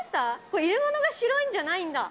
これ、入れ物が白いんじゃないんだ。